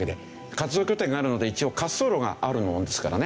活動拠点があるので一応滑走路があるもんですからね。